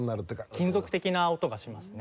金属的な音がしますね。